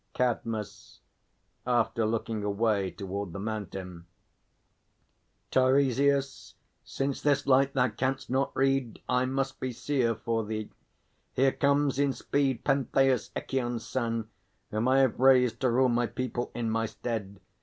CADMUS (after looking away toward the Mountain). Teiresias, since this light thou canst not read, I must be seer for thee. Here comes in speed Pentheus, Echîon's son, whom I have raised To rule my people in my stead.